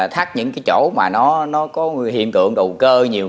thắt những cái chỗ mà nó có hiện tượng đồ cơ nhiều